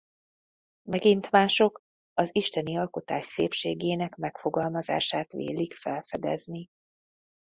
Megint mások az isteni alkotás szépségének megfogalmazását vélik felfedezni.